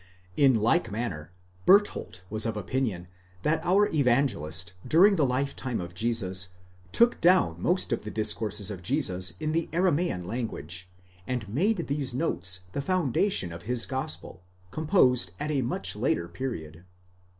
In like manner, Bertholdt was of opinion, that our Evangelist, during the lifetime of Jesus, took down most of the discourses of Jesus in the Aramean language, and made these notes the foundation of his gospel, composed at a much later period.